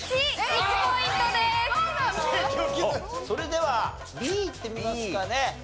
それではＢいってみますかね。